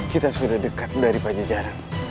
kita sudah dekat dari panjang jalan